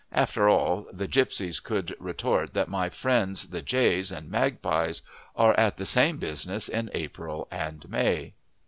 After all, the gipsies could retort that my friends the jays and magpies are at the same business in April and May.